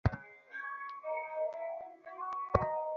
তিনি হেনরিকে দাফন করেন ও বক্তব্য রাখেন।